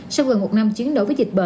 sau gần một năm chiến đấu với dịch